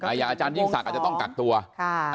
อย่างอาจารยิ่งศักดิ์อาจจะต้องกักตัวค่ะ